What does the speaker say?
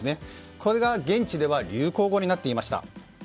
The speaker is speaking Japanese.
これが現地では流行語になっていました。